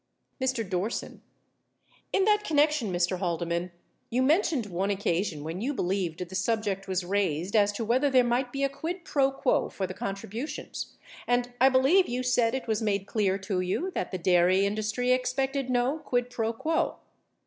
Mr. Dorsen. Tn that connection, Mr. Haldeman, you men tioned one occasion when you believed the subject was raised as to whether there might be a quid fro quo for the contribu tions, and I believe you said it Avas made clear to you that the dairy industry expected no quid fro quo.